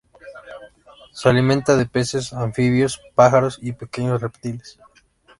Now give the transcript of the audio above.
Se alimenta de peces, anfibios, pájaros y pequeños reptiles.